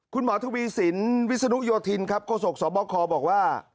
คุณหมอทวีสินวิศนุโยธินครับโฆษกสบคบอกว่า